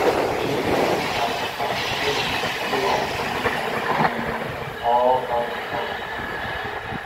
James attacks Sartre's philosophy as being "all a pose".